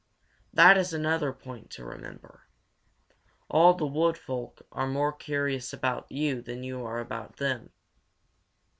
That is another point to remember: all the Wood Folk are more curious about you than you are about them.